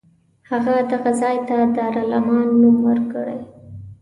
هغه دغه ځای ته دارالامان نوم ورکړ.